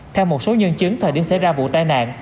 theo một số nhân chứng thời điểm xảy ra vụ tai nạn